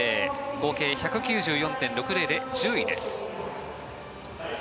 合計１９４．６０で１０位です。